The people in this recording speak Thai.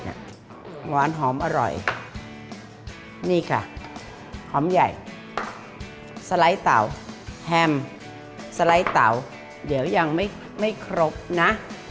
หวานหอมอร่อยนี่ค่ะหอมใหญ่สไลด์เต่าแฮมสไลด์เต๋าเดี๋ยวยังไม่ครบนะ